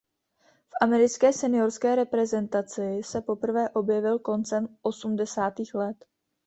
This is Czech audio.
V americké seniorské reprezentaci se poprvé objevil koncem osmdesátých let.